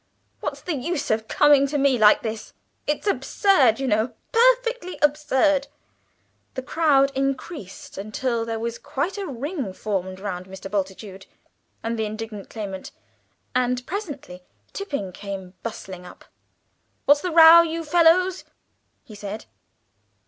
What's the use of coming to me like this? It's absurd, you know; perfectly absurd!" The crowd increased until there was quite a ring formed round Mr. Bultitude and the indignant claimant, and presently Tipping came bustling up. "What's the row here, you fellows?" he said.